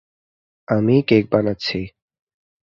আমিই কেক বানাচ্ছি।